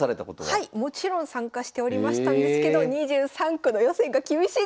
はいもちろん参加しておりましたんですけど２３区の予選が厳しいんですよ！